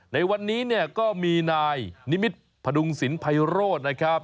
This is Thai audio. ในวันนี้ก็มีนายนิมิตรพดุงสินไพโรดนะครับ